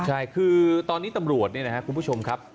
ใช่คือตอนนี้ตำรวจเนี่ยนะครับคุณผู้ชมครับ